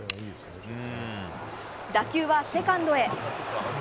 打球はセカンドへ。